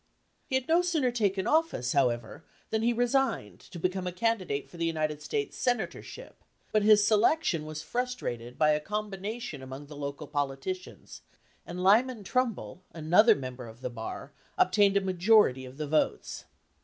He had no sooner taken office, however, than he resigned to become a candidate for the United States senatorship; but his selection was frustrated by a combination among the local 267 LINCOLN THE LAWYER politicians, and Lyman Trumbull, another mem ber of the bar, obtained a majority of the votes.